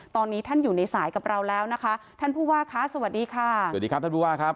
ตอนนี้ท่านอยู่ในสายกับเราแล้วนะคะท่านผู้ว่าคะสวัสดีค่ะสวัสดีครับท่านผู้ว่าครับ